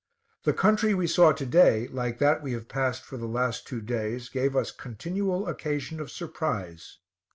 The country we saw to day, like that we have passed for the last two days, gave us continual occasion of surprise.